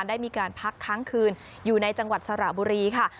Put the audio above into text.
ได้มีการพักค้างคืนอยู่ในจังหวัดสระบุรีค่ะ